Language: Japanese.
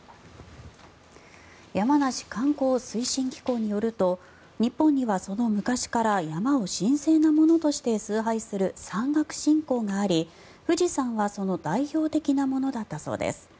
やまなし観光推進機構によると日本には、その昔から山を神聖なものとして崇拝する山岳信仰があり富士山はその代表的なものだったそうです。